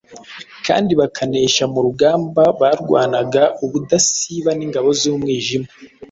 kandi bakanesha mu rugamba barwanaga ubudasiba n’ingabo z’umwijima.